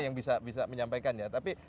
yang bisa menyampaikan ya tapi